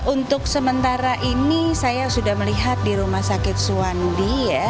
untuk sementara ini saya sudah melihat di rumah sakit suwandi ya